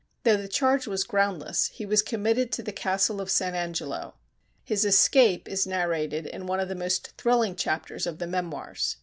Though the charge was groundless, he was committed to the castle of San Angelo. His escape is narrated in one of the most thrilling chapters of the 'Memoirs.'